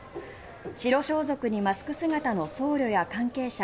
白装束にマスク姿の僧侶や関係者